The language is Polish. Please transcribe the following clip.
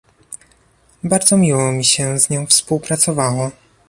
Bardzo miło mi się z nią współpracowało